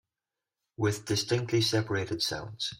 With distinctly separated sounds.